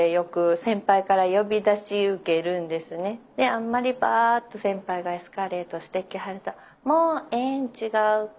あんまりばっと先輩がエスカレートしてきはると「もうええん違うか？